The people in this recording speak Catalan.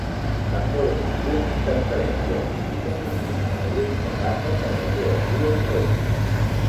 Es forma una interferència física combinant la llum que passa per les dues guies d’ona.